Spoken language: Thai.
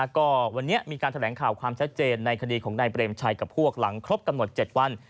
ก็วันนี้มีการแถลงข่าวความชัดเจนในคดีของนายเปรมชัยกับพวกหลังครบกำหนด๗วัน